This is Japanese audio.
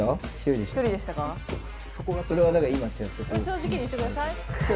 正直に言ってください！